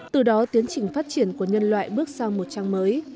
từ đó tiến trình phát triển của nhân loại bước sang một trăm linh